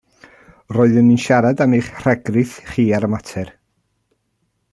Roeddwn i'n siarad am eich rhagrith chi ar y mater.